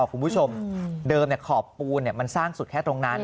คุณผู้ชมเดิมเนี่ยขอบปูนเนี่ยมันสร้างสุดแค่ตรงนั้น